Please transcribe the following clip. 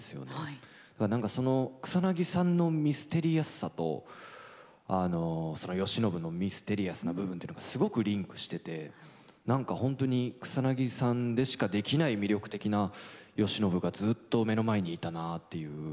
何かその草さんのミステリアスさと慶喜のミステリアスな部分というのがすごくリンクしてて何か本当に草さんでしかできない魅力的な慶喜がずっと目の前にいたなっていう。